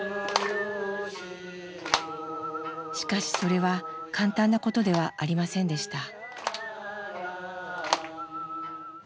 しかしそれは簡単なことではありませんでした。